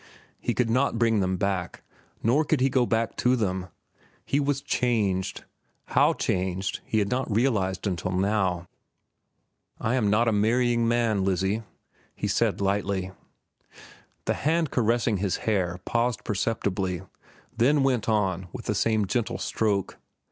He could not bring them back, nor could he go back to them. He was changed—how changed he had not realized until now. "I am not a marrying man, Lizzie," he said lightly. The hand caressing his hair paused perceptibly, then went on with the same gentle stroke.